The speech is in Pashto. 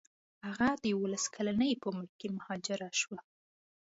هغه د یوولس کلنۍ په عمر کې مهاجره شوه.